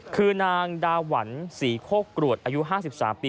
คือนางดาหวันศรีโคกรวดอายุ๕๓ปี